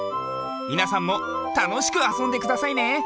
みなさんもたのしくあそんでくださいね。